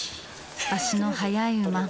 足の速い馬